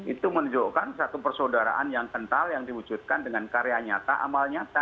itu menunjukkan satu persaudaraan yang kental yang diwujudkan dengan karya nyata amal nyata